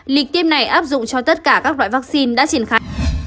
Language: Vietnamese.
lịch tiêm này áp dụng cho tất cả các loại vaccine đã triển khai